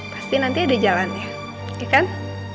pasti nanti ada jalannya ya kan